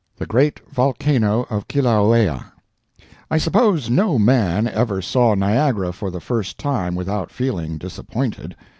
THE GREAT VOLCANO OF KILAUEA I suppose no man ever saw Niagara for the first time without feeling disappointed.